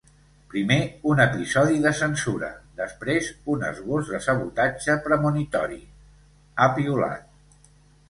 “Primer un episodi de censura, després un esbós de sabotatge premonitori”, ha piulat.